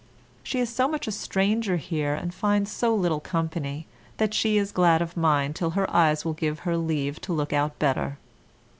She is so much a stranger here, and finds so little company, that she is glad of mine till her eyes will give her leave to look out better.